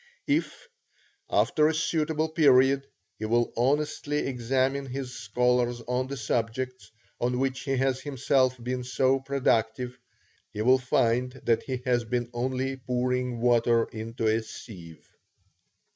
If, after a suitable period, he will honestly examine his scholars on the subjects, on which he has himself been so productive, he will find that he has been only pouring water into a sieve.